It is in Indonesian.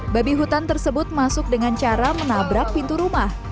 babi hutan tersebut masuk dengan cara menabrak pintu rumah